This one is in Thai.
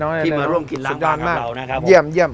ที่มาร่วมกินร้านบังกับเรานะครับสุดยอดมากเยี่ยมเยี่ยม